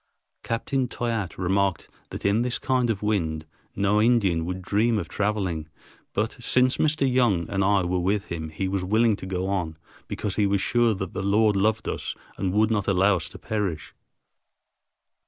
Captain Toyatte remarked that in this kind of wind no Indian would dream of traveling, but since Mr. Young and I were with him he was willing to go on, because he was sure that the Lord loved us and would not allow us to perish.